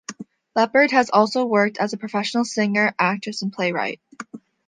Leppard has also worked as a professional singer, actress, and playwright.